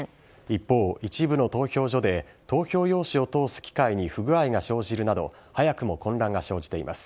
一方、一部の投票所で投票用紙を通す機械に不具合が生じるなど早くも混乱が生じています。